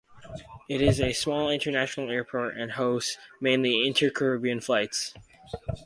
It is a small international airport that hosts mainly inter-Caribbean flights.